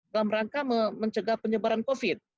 dalam rangka mencegah penyebaran covid sembilan belas